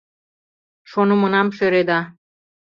Шонымынам шӧреда.